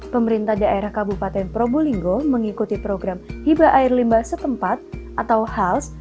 pemerintah daerah kabupaten probolinggo mengikuti program hiba air limbah setempat atau hals